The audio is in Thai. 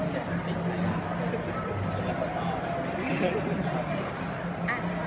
ก็จะรอมนะคะ